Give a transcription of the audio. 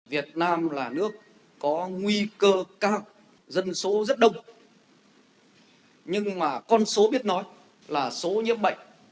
việt nam là nước có nguy cơ cao dân số rất đông nhưng mà con số biết nói là số nhiễm bệnh